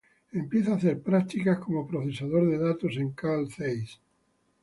Empieza a hacer prácticas como procesador de datos en Carl Zeiss.